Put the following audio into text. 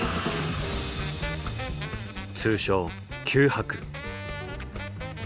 通称九博。